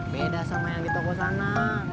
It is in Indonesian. beda sama yang di toko sana